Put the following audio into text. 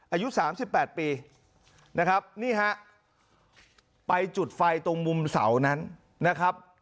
อายุ๓๘ปีนะครับนี่ฮะไปจุดไฟตรงมุมเสานั้นนะครับ